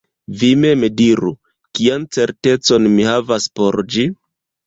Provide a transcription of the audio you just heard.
Vi mem diru: kian certecon mi havas por ĝi?